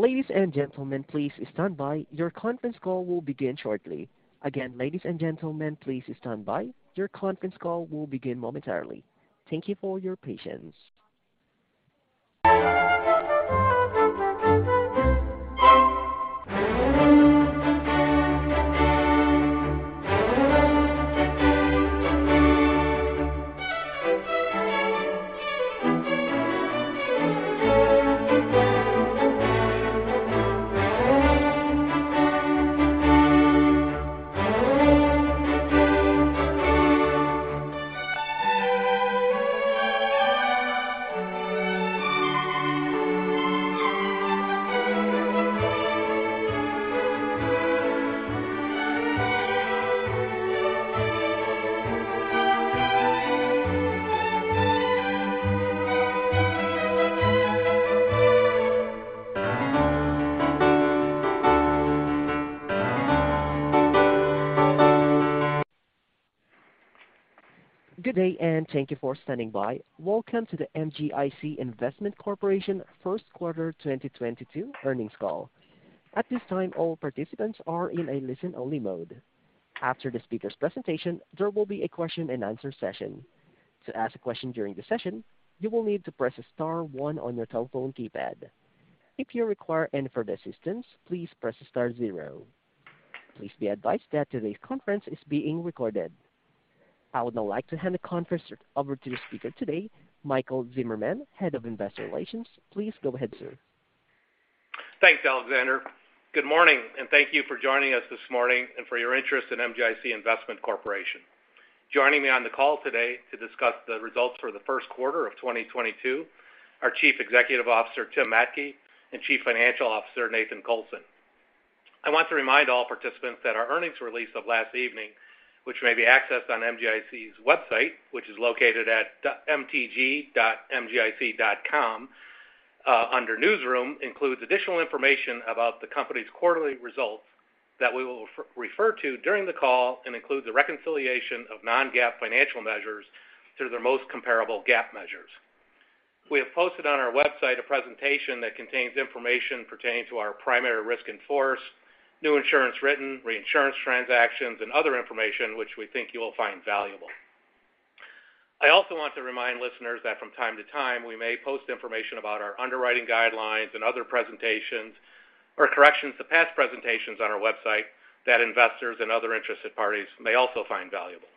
Ladies and gentlemen, please stand by. Your conference call will begin shortly. Again, ladies and gentlemen, please stand by. Your conference call will begin momentarily. Thank you for your patience. Good day, and thank you for standing by. Welcome to the MGIC Investment Corporation First Quarter 2022 earnings call. At this time, all participants are in a listen-only mode. After the speaker's presentation, there will be a question-and-answer session. To ask a question during the session, you will need to press star one on your telephone keypad. If you require any further assistance, please press star zero. Please be advised that today's conference is being recorded. I would now like to hand the conference over to the speaker today, Michael Zimmerman, Head of Investor Relations. Please go ahead, sir. Thanks, Alexander. Good morning, and thank you for joining us this morning and for your interest in MGIC Investment Corporation. Joining me on the call today to discuss the results for the first quarter of 2022 are Chief Executive Officer Tim Mattke and Chief Financial Officer Nathan Colson. I want to remind all participants that our earnings release of last evening, which may be accessed on MGIC's website, which is located at mgic.com, under Newsroom, includes additional information about the company's quarterly results that we will refer to during the call and includes a reconciliation of non-GAAP financial measures to their most comparable GAAP measures. We have posted on our website a presentation that contains information pertaining to our primary risk in force, new insurance written, reinsurance transactions, and other information which we think you will find valuable. I also want to remind listeners that from time to time, we may post information about our underwriting guidelines and other presentations or corrections to past presentations on our website that investors and other interested parties may also find valuable.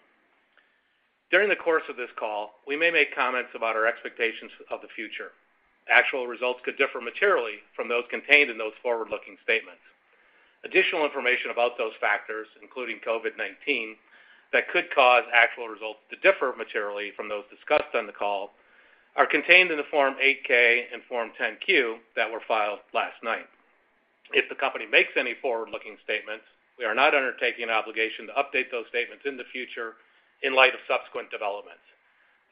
During the course of this call, we may make comments about our expectations of the future. Actual results could differ materially from those contained in those forward-looking statements. Additional information about those factors, including COVID-19, that could cause actual results to differ materially from those discussed on the call are contained in the Form 8-K and Form 10-Q that were filed last night. If the company makes any forward-looking statements, we are not undertaking an obligation to update those statements in the future in light of subsequent developments.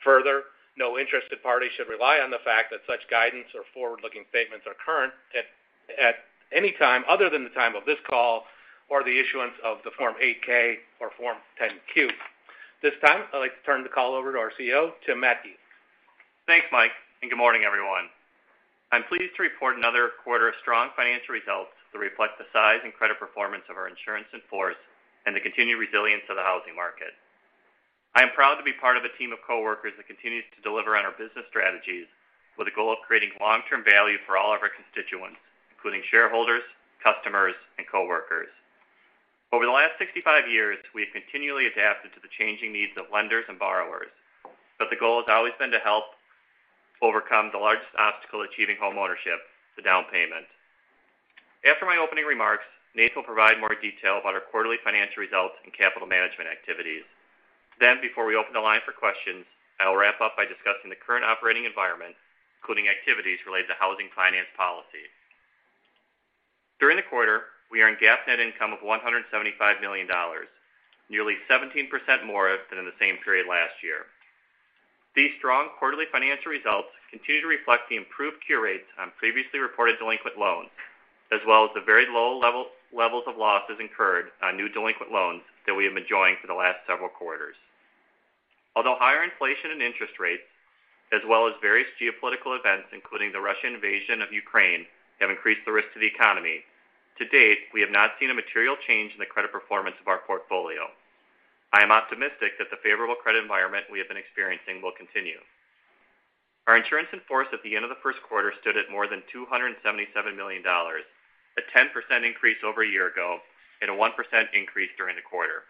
Further, no interested party should rely on the fact that such guidance or forward-looking statements are current at any time other than the time of this call or the issuance of the Form 8-K or Form 10-Q. This time, I'd like to turn the call over to our CEO, Tim Mattke. Thanks, Mike, and good morning, everyone. I'm pleased to report another quarter of strong financial results that reflect the size and credit performance of our insurance in force and the continued resilience of the housing market. I am proud to be part of a team of coworkers that continues to deliver on our business strategies with a goal of creating long-term value for all of our constituents, including shareholders, customers, and coworkers. Over the last 65 years, we have continually adapted to the changing needs of lenders and borrowers, but the goal has always been to help overcome the largest obstacle achieving homeownership, the down payment. After my opening remarks, Nate will provide more detail about our quarterly financial results and capital management activities. Before we open the line for questions, I will wrap up by discussing the current operating environment, including activities related to housing finance policy. During the quarter, we earned GAAP net income of $175 million, nearly 17% more than in the same period last year. These strong quarterly financial results continue to reflect the improved cure rates on previously reported delinquent loans, as well as the very low levels of losses incurred on new delinquent loans that we have been enjoying for the last several quarters. Although higher inflation and interest rates as well as various geopolitical events, including the Russian invasion of Ukraine, have increased the risk to the economy, to date, we have not seen a material change in the credit performance of our portfolio. I am optimistic that the favorable credit environment we have been experiencing will continue. Our insurance in force at the end of the first quarter stood at more than $277 million, a 10% increase over a year ago and a 1% increase during the quarter.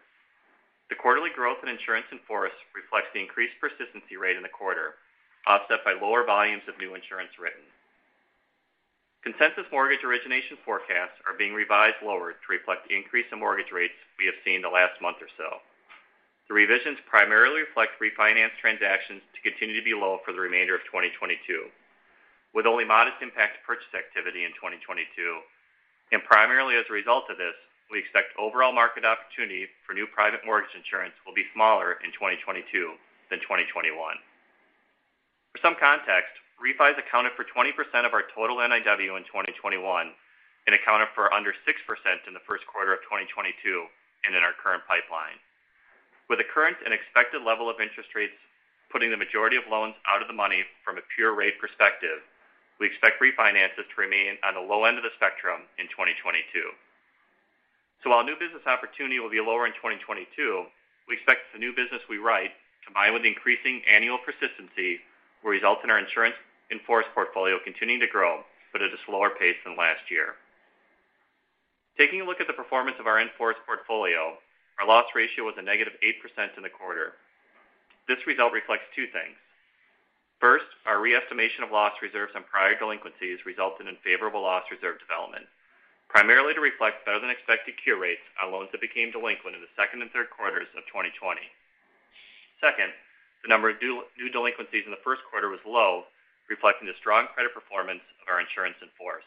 The quarterly growth in insurance in force reflects the increased persistency rate in the quarter, offset by lower volumes of new insurance written. Consensus mortgage origination forecasts are being revised lower to reflect the increase in mortgage rates we have seen in the last month or so. The revisions primarily reflect refinance transactions to continue to be low for the remainder of 2022, with only modest impact to purchase activity in 2022. Primarily as a result of this, we expect overall market opportunity for new private mortgage insurance will be smaller in 2022 than 2021. For some context, refis accounted for 20% of our total NIW in 2021 and accounted for under 6% in the first quarter of 2022 and in our current pipeline. With the current and expected level of interest rates putting the majority of loans out of the money from a pure rate perspective, we expect refinances to remain on the low end of the spectrum in 2022. While new business opportunity will be lower in 2022, we expect the new business we write, combined with increasing annual persistency, will result in our insurance in force portfolio continuing to grow, but at a slower pace than last year. Taking a look at the performance of our in-force portfolio, our loss ratio was a negative 8% in the quarter. This result reflects two things. First, our re-estimation of loss reserves on prior delinquencies resulted in favorable loss reserve development, primarily to reflect better than expected cure rates on loans that became delinquent in the second and third quarters of 2020. Second, the number of new delinquencies in the first quarter was low, reflecting the strong credit performance of our insurance in force.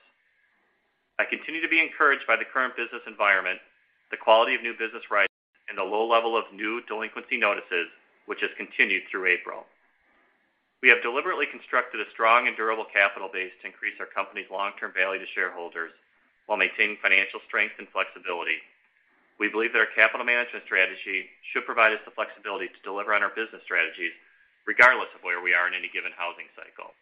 I continue to be encouraged by the current business environment, the quality of new business written, and the low level of new delinquency notices, which has continued through April. We have deliberately constructed a strong and durable capital base to increase our company's long-term value to shareholders while maintaining financial strength and flexibility. We believe that our capital management strategy should provide us the flexibility to deliver on our business strategies regardless of where we are in any given housing cycle.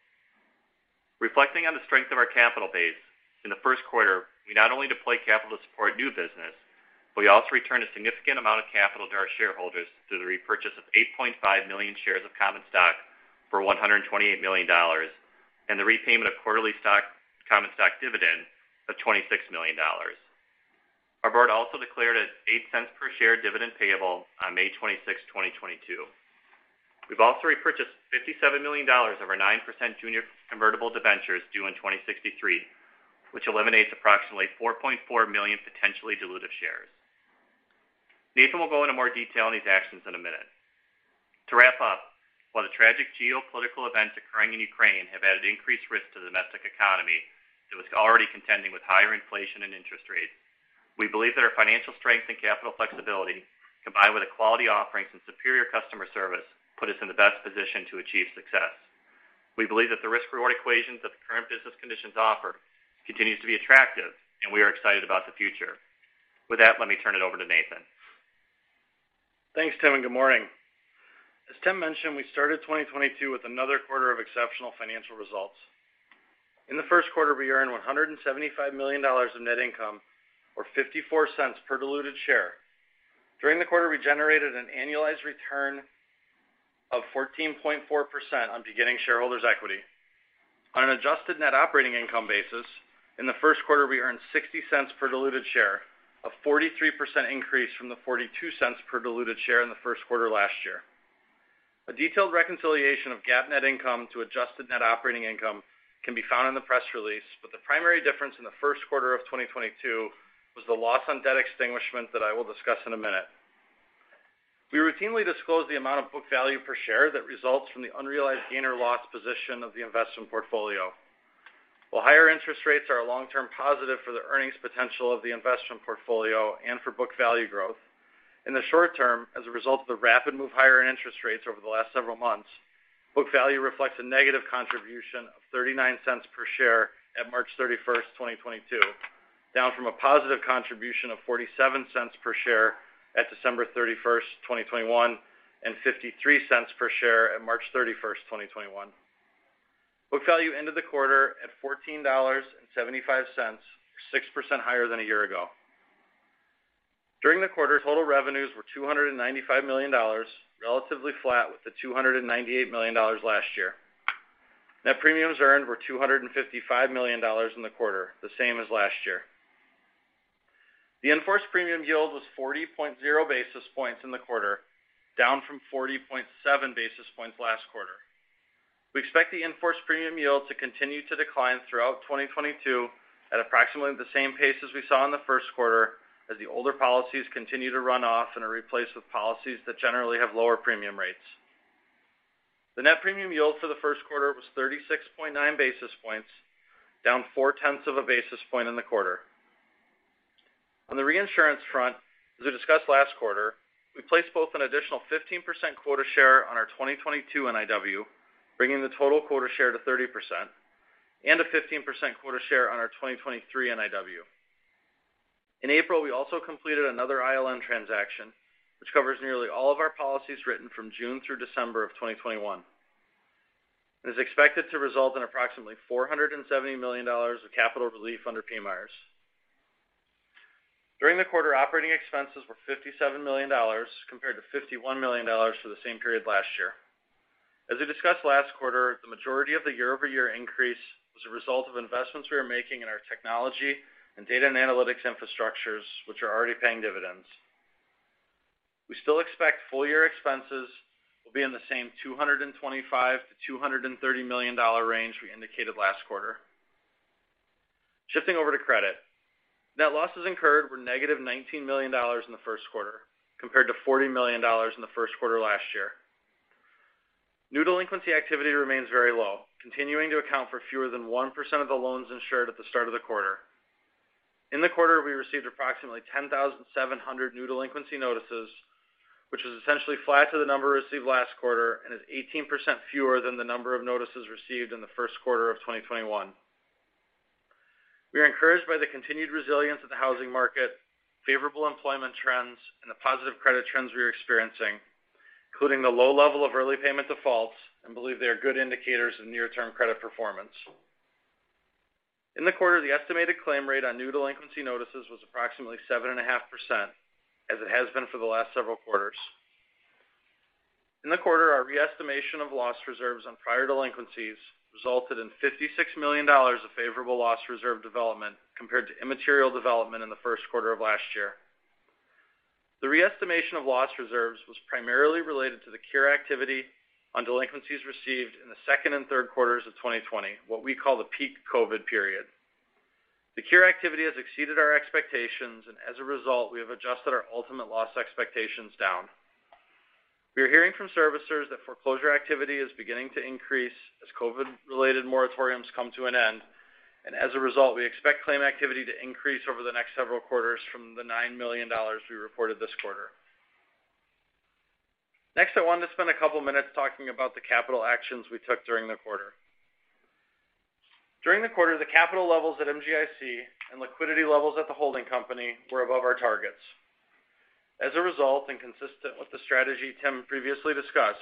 Reflecting on the strength of our capital base, in the first quarter, we not only deployed capital to support new business, but we also returned a significant amount of capital to our shareholders through the repurchase of 8.5 million shares of common stock for $128 million and the repayment of quarterly common stock dividend of $26 million. Our board also declared an $0.08 per share dividend payable on May 26, 2022. We've also repurchased $57 million of our 9% junior convertible debentures due in 2063, which eliminates approximately 4.4 million potentially dilutive shares. Nathan will go into more detail on these actions in a minute. To wrap up, while the tragic geopolitical events occurring in Ukraine have added increased risk to the domestic economy that was already contending with higher inflation and interest rates, we believe that our financial strength and capital flexibility, combined with the quality offerings and superior customer service, put us in the best position to achieve success. We believe that the risk-reward equations that the current business conditions offer continues to be attractive, and we are excited about the future. With that, let me turn it over to Nathan. Thanks, Tim, and good morning. As Tim mentioned, we started 2022 with another quarter of exceptional financial results. In the first quarter, we earned $175 million of net income or $0.54 per diluted share. During the quarter, we generated an annualized return of 14.4% on beginning shareholders' equity. On an adjusted net operating income basis, in the first quarter, we earned $0.60 per diluted share, a 43% increase from the $0.42 per diluted share in the first quarter last year. A detailed reconciliation of GAAP net income to adjusted net operating income can be found in the press release, but the primary difference in the first quarter of 2022 was the loss on debt extinguishment that I will discuss in a minute. We routinely disclose the amount of book value per share that results from the unrealized gain or loss position of the investment portfolio. While higher interest rates are a long-term positive for the earnings potential of the investment portfolio and for book value growth, in the short term, as a result of the rapid move higher in interest rates over the last several months, book value reflects a negative contribution of $0.39 per share at March 31, 2022, down from a positive contribution of $0.47 per share at December 31, 2021, and $0.53 per share at March 31, 2021. Book value ended the quarter at $14.75, 6% higher than a year ago. During the quarter, total revenues were $295 million, relatively flat with the $298 million last year. Net premiums earned were $255 million in the quarter, the same as last year. The in-force premium yield was 40.0 basis points in the quarter, down from 40.7 basis points last quarter. We expect the in-force premium yield to continue to decline throughout 2022 at approximately the same pace as we saw in the first quarter as the older policies continue to run off and are replaced with policies that generally have lower premium rates. The net premium yield for the first quarter was 36.9 basis points, down 0.4 basis points in the quarter. On the reinsurance front, as we discussed last quarter, we placed both an additional 15% quota share on our 2022 NIW, bringing the total quota share to 30%, and a 15% quota share on our 2023 NIW. In April, we also completed another ILN transaction, which covers nearly all of our policies written from June through December of 2021, and is expected to result in approximately $470 million of capital relief under PMIERs. During the quarter, operating expenses were $57 million compared to $51 million for the same period last year. As we discussed last quarter, the majority of the year-over-year increase was a result of investments we are making in our technology and data and analytics infrastructures, which are already paying dividends. We still expect full-year expenses will be in the same $225 million-$230 million range we indicated last quarter. Shifting over to credit. Net losses incurred were -$19 million in the first quarter, compared to $40 million in the first quarter last year. New delinquency activity remains very low, continuing to account for fewer than 1% of the loans insured at the start of the quarter. In the quarter, we received approximately 10,700 new delinquency notices, which was essentially flat to the number received last quarter and is 18% fewer than the number of notices received in the first quarter of 2021. We are encouraged by the continued resilience of the housing market, favorable employment trends, and the positive credit trends we are experiencing, including the low level of early payment defaults, and believe they are good indicators of near-term credit performance. In the quarter, the estimated claim rate on new delinquency notices was approximately 7.5%, as it has been for the last several quarters. In the quarter, our re-estimation of loss reserves on prior delinquencies resulted in $56 million of favorable loss reserve development compared to immaterial development in the first quarter of last year. The re-estimation of loss reserves was primarily related to the cure activity on delinquencies received in the second and third quarters of 2020, what we call the peak COVID period. The cure activity has exceeded our expectations, and as a result, we have adjusted our ultimate loss expectations down. We are hearing from servicers that foreclosure activity is beginning to increase as COVID-related moratoriums come to an end, and as a result, we expect claim activity to increase over the next several quarters from the $9 million we reported this quarter. Next, I want to spend a couple of minutes talking about the capital actions we took during the quarter. During the quarter, the capital levels at MGIC and liquidity levels at the holding company were above our targets. As a result, and consistent with the strategy Tim previously discussed,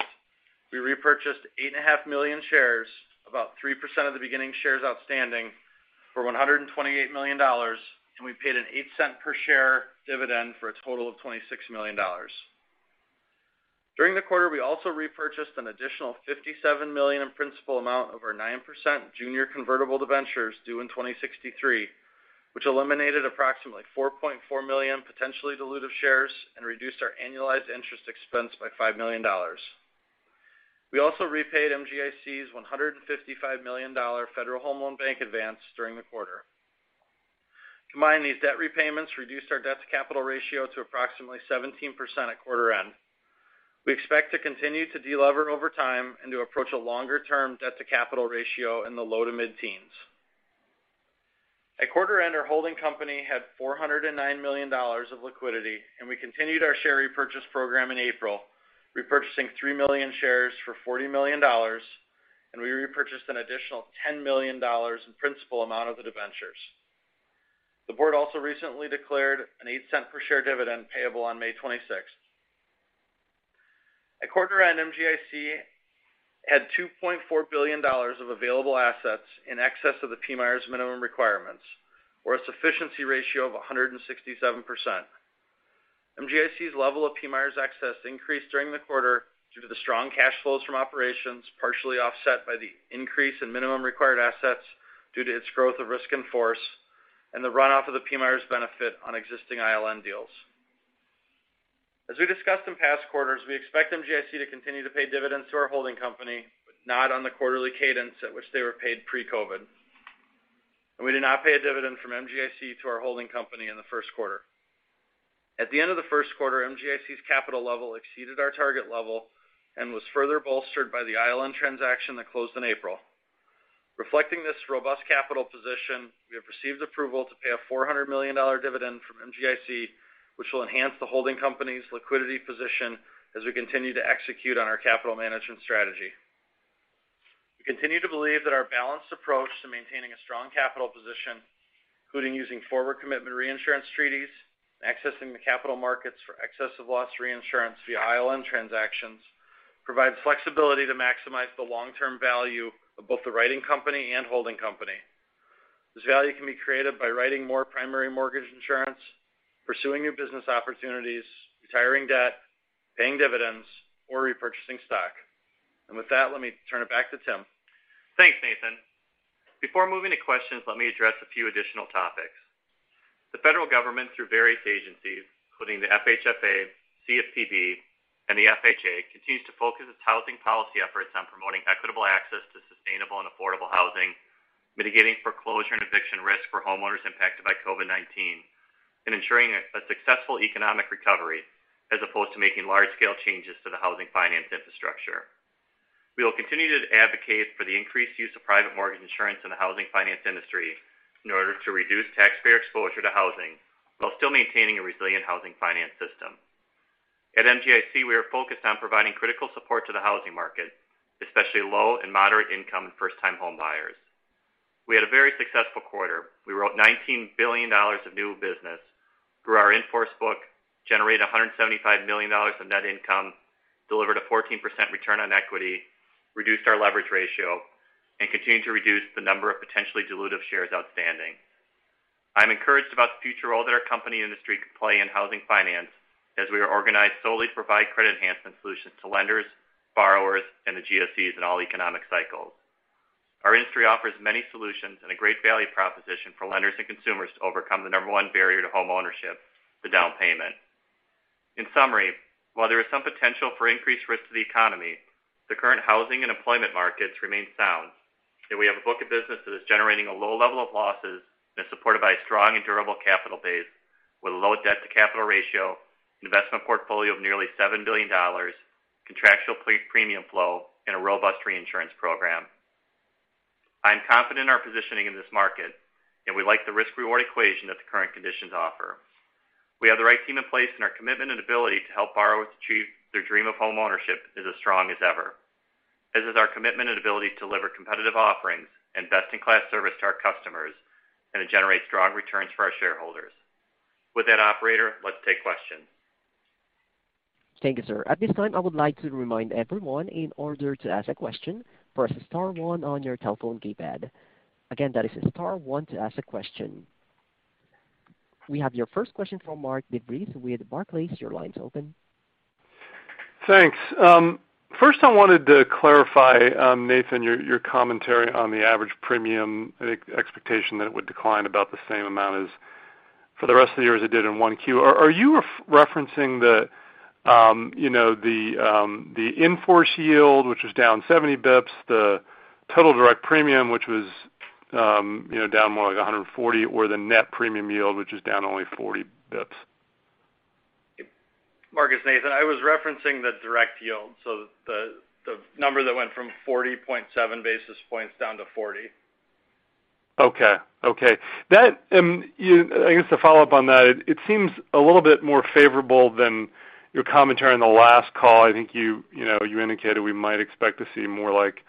we repurchased 8.5 million shares, about 3% of the beginning shares outstanding, for $128 million, and we paid an 8 cents per share dividend for a total of $26 million. During the quarter, we also repurchased an additional $57 million in principal amount over 9% junior convertible debentures due in 2063, which eliminated approximately 4.4 million potentially dilutive shares and reduced our annualized interest expense by $5 million. We also repaid MGIC's $155 million Federal Home Loan Bank advance during the quarter. Combining these debt repayments reduced our debt-to-capital ratio to approximately 17% at quarter end. We expect to continue to de-lever over time and to approach a longer-term debt-to-capital ratio in the low- to mid-teens. At quarter end, our holding company had $409 million of liquidity, and we continued our share repurchase program in April, repurchasing 3 million shares for $40 million, and we repurchased an additional $10 million in principal amount of the debentures. The board also recently declared an 8-cent per share dividend payable on May 26. At quarter end, MGIC had $2.4 billion of available assets in excess of the PMIERs minimum requirements, or a sufficiency ratio of 167%. MGIC's level of PMIERs excess increased during the quarter due to the strong cash flows from operations, partially offset by the increase in minimum required assets due to its growth of risk in force and the runoff of the PMIERs benefit on existing ILN deals. As we discussed in past quarters, we expect MGIC to continue to pay dividends to our holding company, but not on the quarterly cadence at which they were paid pre-COVID. We did not pay a dividend from MGIC to our holding company in the first quarter. At the end of the first quarter, MGIC's capital level exceeded our target level and was further bolstered by the ILN transaction that closed in April. Reflecting this robust capital position, we have received approval to pay a $400 million dividend from MGIC, which will enhance the holding company's liquidity position as we continue to execute on our capital management strategy. We continue to believe that our balanced approach to maintaining a strong capital position, including using forward commitment reinsurance treaties, accessing the capital markets for excess of loss reinsurance via ILN transactions, provides flexibility to maximize the long-term value of both the writing company and holding company. This value can be created by writing more primary mortgage insurance, pursuing new business opportunities, retiring debt, paying dividends, or repurchasing stock. With that, let me turn it back to Tim. Thanks, Nathan. Before moving to questions, let me address a few additional topics. The federal government, through various agencies, including the FHFA, CFPB, and the FHA, continues to focus its housing policy efforts on promoting equitable access to sustainable and affordable housing, mitigating foreclosure and eviction risk for homeowners impacted by COVID-19, and ensuring a successful economic recovery as opposed to making large-scale changes to the housing finance infrastructure. We will continue to advocate for the increased use of private mortgage insurance in the housing finance industry in order to reduce taxpayer exposure to housing while still maintaining a resilient housing finance system. At MGIC, we are focused on providing critical support to the housing market, especially low- and moderate-income and first-time homebuyers. We had a very successful quarter. We wrote $19 billion of new business through our in-force book, generated $175 million of net income, delivered a 14% return on equity, reduced our leverage ratio, and continued to reduce the number of potentially dilutive shares outstanding. I'm encouraged about the future role that our company and industry can play in housing finance as we are organized solely to provide credit enhancement solutions to lenders, borrowers, and the GSEs in all economic cycles. Our industry offers many solutions and a great value proposition for lenders and consumers to overcome the number one barrier to homeownership, the down payment. In summary, while there is some potential for increased risk to the economy, the current housing and employment markets remain sound, and we have a book of business that is generating a low level of losses and is supported by a strong and durable capital base with a low debt-to-capital ratio, an investment portfolio of nearly $7 billion, contractual pre-premium flow, and a robust reinsurance program. I am confident in our positioning in this market, and we like the risk/reward equation that the current conditions offer. We have the right team in place, and our commitment and ability to help borrowers achieve their dream of homeownership is as strong as ever. As is our commitment and ability to deliver competitive offerings and best-in-class service to our customers, and to generate strong returns for our shareholders. With that, operator, let's take questions. Thank you, sir. At this time, I would like to remind everyone, in order to ask a question, press star one on your telephone keypad. Again, that is star one to ask a question. We have your first question from Mihir Bhatia with Barclays. Your line is open. Thanks. First I wanted to clarify, Nathan, your commentary on the average premium expectation that it would decline about the same amount as for the rest of the year as it did in 1Q. Are you referencing the, you know, the in-force yield, which was down 70 basis points, the total direct premium, which was, you know, down more like 140, or the net premium yield, which was down only 40 basis points? Mattke, it's Nathan. I was referencing the direct yield, so the number that went from 40.7 basis points down to 40. Okay. That, I guess to follow up on that, it seems a little bit more favorable than your commentary on the last call. I think you know, you indicated we might expect to see more like,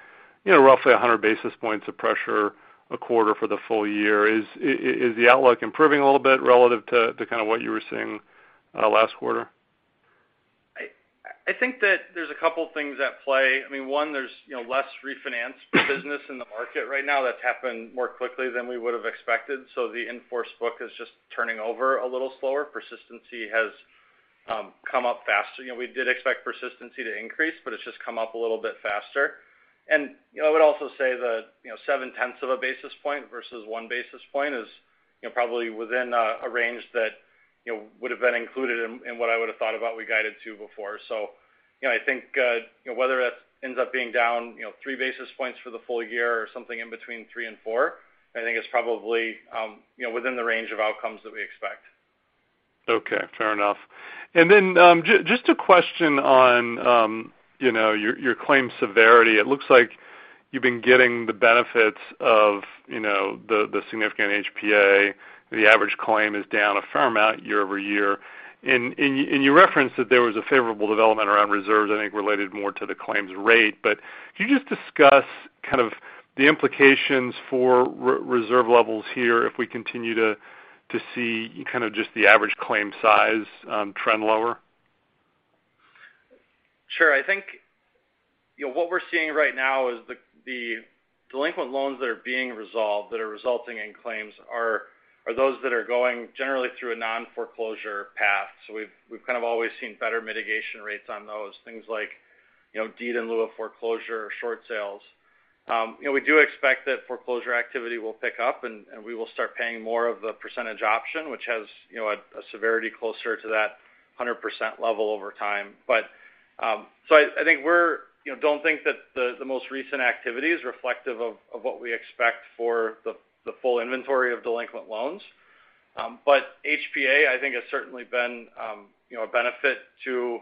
you know, roughly 100 basis points of pressure a quarter for the full year. Is the outlook improving a little bit relative to kind of what you were seeing last quarter? I think that there's a couple things at play. I mean, one, there's, you know, less refinance business in the market right now that's happened more quickly than we would've expected. The in-force book is just turning over a little slower. Persistency has come up faster. You know, we did expect persistency to increase, but it's just come up a little bit faster. You know, I would also say that, you know, 0.7 of a basis point versus 1 basis point is, you know, probably within a range that, you know, would've been included in what I would've thought about we guided to before. You know, I think, you know, whether that ends up being down, you know, 3 basis points for the full year or something in between 3 and 4, I think it's probably, you know, within the range of outcomes that we expect. Okay, fair enough. Just a question on, you know, your claim severity. It looks like you've been getting the benefits of, you know, the significant HPA. The average claim is down a fair amount year-over-year. And you referenced that there was a favorable development around reserves, I think, related more to the claims rate. Can you just discuss kind of the implications for reserve levels here if we continue to see kind of just the average claim size trend lower? Sure. I think, you know, what we're seeing right now is the delinquent loans that are being resolved, that are resulting in claims are those that are going generally through a non-foreclosure path. We've kind of always seen better mitigation rates on those things like, you know, deed in lieu of foreclosure or short sales. You know, we do expect that foreclosure activity will pick up and we will start paying more of the percentage option, which has, you know, a severity closer to that 100% level over time. I think we don't think that the most recent activity is reflective of what we expect for the full inventory of delinquent loans. HPA, I think, has certainly been, you know, a benefit to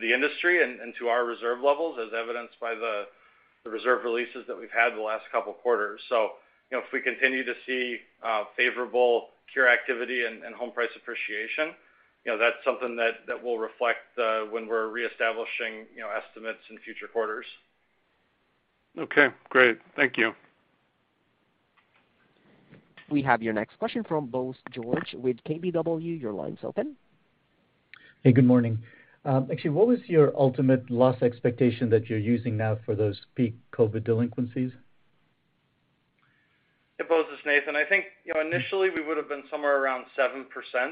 the industry and to our reserve levels as evidenced by the reserve releases that we've had the last couple quarters. You know, if we continue to see favorable cure activity and home price appreciation, you know, that's something that we'll reflect when we're reestablishing, you know, estimates in future quarters. Okay, great. Thank you. We have your next question from Bose George with KBW. Your line's open. Hey, good morning. Actually, what was your ultimate loss expectation that you're using now for those peak COVID delinquencies? Hey, Bose. It's Nathan. I think, you know, initially we would've been somewhere around 7%.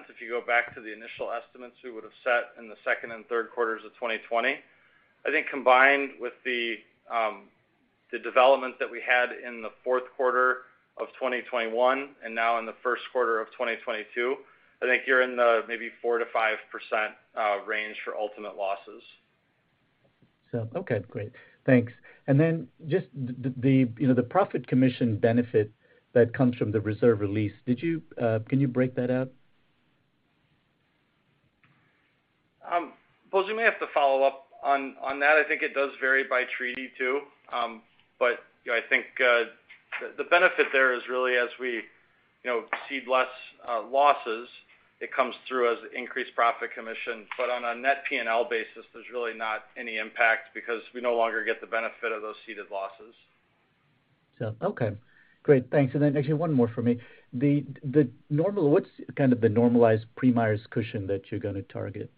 If you go back to the initial estimates we would've set in the second and third quarters of 2020. I think combined with the development that we had in the fourth quarter of 2021 and now in the first quarter of 2022, I think you're in the maybe 4%-5% range for ultimate losses. Okay. Great. Thanks. Just the, you know, the profit commission benefit that comes from the reserve release. Can you break that out? Bose, you may have to follow up on that. I think it does vary by treaty too. You know, I think the benefit there is really as we you know cede less losses, it comes through as increased profit commission. On a net P&L basis, there's really not any impact because we no longer get the benefit of those ceded losses. Okay. Great. Thanks. Actually one more for me. What's kind of the normalized PMIERs cushion that you're gonna target?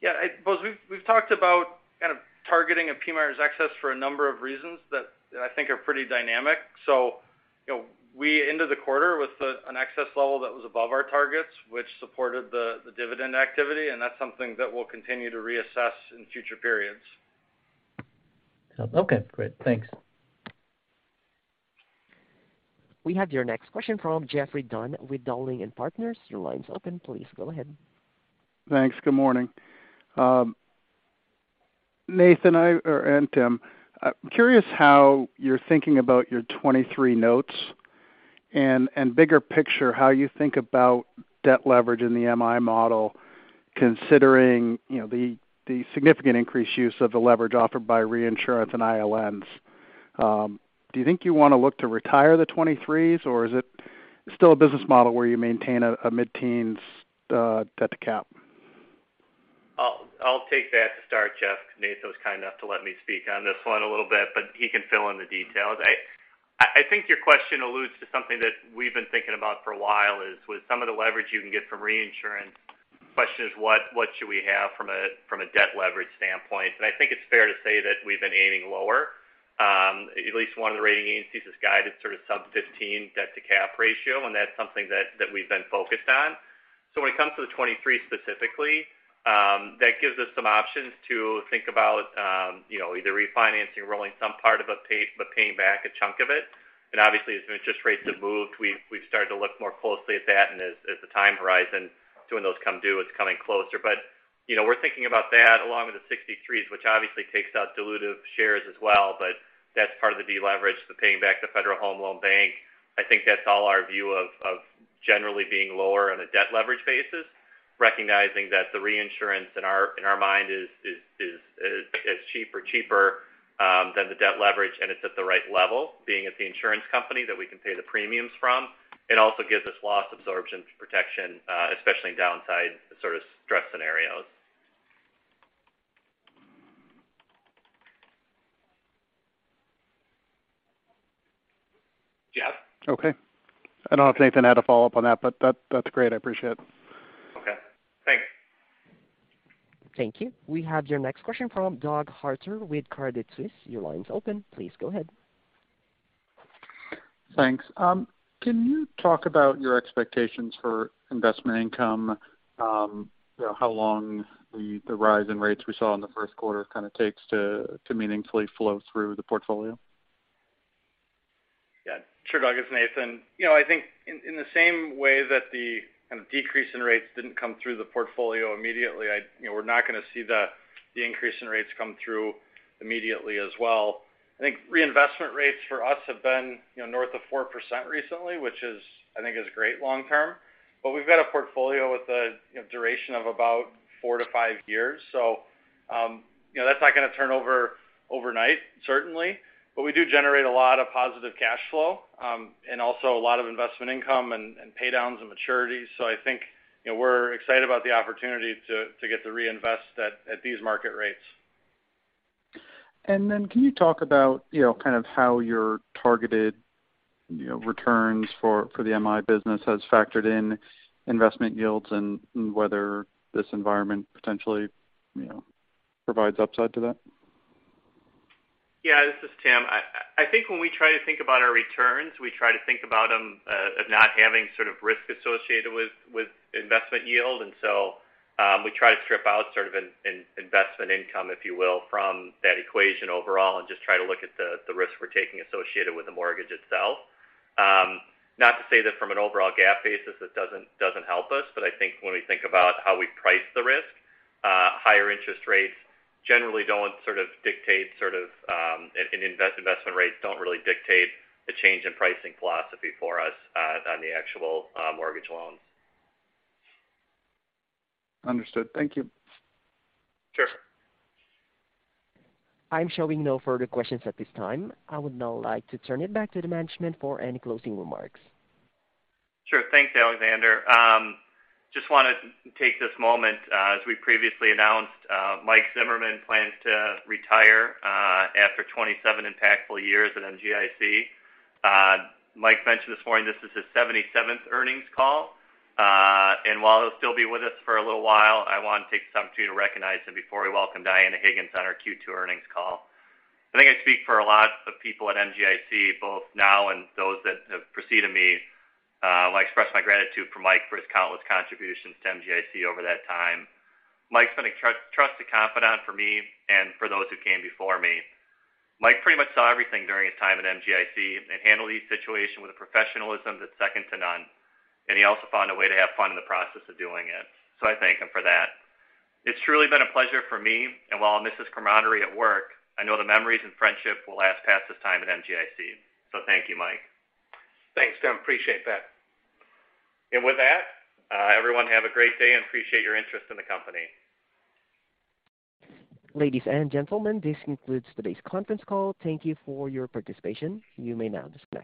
Yeah. Bose, we've talked about kind of targeting a PMIERs excess for a number of reasons that I think are pretty dynamic. You know, we ended the quarter with an excess level that was above our targets, which supported the dividend activity, and that's something that we'll continue to reassess in future periods. Okay, great. Thanks. We have your next question from Geoffrey Dunn with Dowling & Partners. Your line's open. Please go ahead. Thanks. Good morning. Nathan and Tim, I'm curious how you're thinking about your 2023 notes and bigger picture, how you think about debt leverage in the MI model, considering, you know, the significantly increased use of the leverage offered by reinsurance and ILNs. Do you think you wanna look to retire the 2023s, or is it still a business model where you maintain a mid-teens debt to cap? I'll take that to start, Jeffrey, 'cause Nathan was kind enough to let me speak on this one a little bit, but he can fill in the details. I think your question alludes to something that we've been thinking about for a while, is with some of the leverage you can get from reinsurance, the question is what should we have from a debt leverage standpoint? I think it's fair to say that we've been aiming lower. At least one of the rating agencies has guided sort of sub-15 debt-to-cap ratio, and that's something that we've been focused on. When it comes to the 2023 specifically, that gives us some options to think about, you know, either refinancing, rolling some part of it back, but paying back a chunk of it. Obviously, as interest rates have moved, we've started to look more closely at that and as the time horizon to when those come due is coming closer. You know, we're thinking about that along with the 63s, which obviously takes out dilutive shares as well, but that's part of the deleverage for paying back the Federal Home Loan Bank. I think that's all our view of generally being lower on a debt leverage basis, recognizing that the reinsurance in our mind is cheaper than the debt leverage and it's at the right level, being it's the insurance company that we can pay the premiums from. It also gives us loss absorption protection, especially in downside sort of stress scenarios. Jeff? Okay. I don't know if Nathan had a follow-up on that, but that's great. I appreciate it. Okay. Thanks. Thank you. We have your next question from Doug Harter with Credit Suisse. Your line is open. Please go ahead. Thanks. Can you talk about your expectations for investment income? You know, how long the rise in rates we saw in the first quarter kind of takes to meaningfully flow through the portfolio? Yeah. Sure, Doug. It's Nathan. You know, I think in the same way that the kind of decrease in rates didn't come through the portfolio immediately. You know, we're not gonna see the increase in rates come through immediately as well. I think reinvestment rates for us have been, you know, north of 4% recently, which is, I think, great long term. We've got a portfolio with a, you know, duration of about 4-5 years, so, you know, that's not gonna turn over overnight, certainly. We do generate a lot of positive cash flow, and also a lot of investment income and pay downs and maturities. I think, you know, we're excited about the opportunity to get to reinvest at these market rates. Can you talk about, you know, kind of how your targeted, you know, returns for the MI business has factored in investment yields and whether this environment potentially, you know, provides upside to that? Yeah, this is Tim. I think when we try to think about our returns, we try to think about them as not having sort of risk associated with investment yield. We try to strip out sort of investment income, if you will, from that equation overall and just try to look at the risk we're taking associated with the mortgage itself. Not to say that from an overall GAAP basis, it doesn't help us, but I think when we think about how we price the risk, higher interest rates generally don't sort of dictate sort of investment rates don't really dictate the change in pricing philosophy for us on the actual mortgage loans. Understood. Thank you. Sure. I'm showing no further questions at this time. I would now like to turn it back to the management for any closing remarks. Sure. Thanks, Alexander. Just wanted to take this moment, as we previously announced, Michael Zimmerman plans to retire after 27 impactful years at MGIC. Michael mentioned this morning this is his 77th earnings call. While he'll still be with us for a little while, I want to take some time to recognize him before we welcome Dianna Higgins on our Q2 earnings call. I think I speak for a lot of people at MGIC, both now and those that have preceded me, when I express my gratitude for Michael for his countless contributions to MGIC over that time. Michael's been a trusted confidant for me and for those who came before me. Mike pretty much saw everything during his time at MGIC and handled each situation with a professionalism that's second to none, and he also found a way to have fun in the process of doing it, so I thank him for that. It's truly been a pleasure for me, and while I'll miss his camaraderie at work, I know the memories and friendship will last past his time at MGIC. Thank you, Mike. Thanks, Tim. Appreciate that. With that, everyone, have a great day and appreciate your interest in the company. Ladies and gentlemen, this concludes today's conference call. Thank you for your participation. You may now disconnect.